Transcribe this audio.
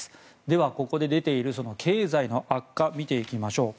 では、ここで出ている経済の悪化見ていきましょう。